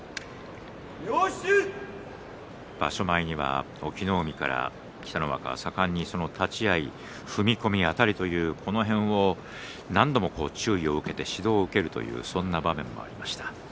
場所前には隠岐の海から北の若は、さかんに立ち合い、踏み込みあたりというこの辺りを何度も注意を受けて指導を受けるというそんな場面もありました。